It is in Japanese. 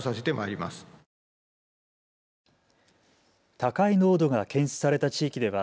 高い濃度が検出された地域では